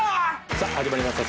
さぁ始まりました